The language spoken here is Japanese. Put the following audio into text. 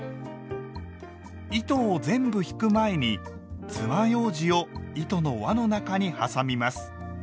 糸を全部引く前につまようじを糸の輪の中に挟みます。